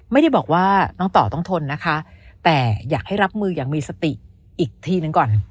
ไม่ได้บอกว่าน้องต่อต้องทนนะคะแต่อยากให้รับมืออย่างมีสติอีกทีหนึ่งก่อน